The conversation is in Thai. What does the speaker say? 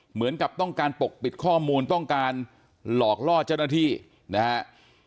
เหมือนกับต้องการปกปิดข้อมูลต้องการหลอกล่อเจ้าหน้าที่นะครับ